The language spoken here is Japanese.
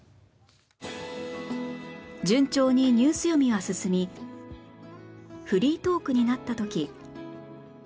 順調にニュース読みは進みフリートークになった時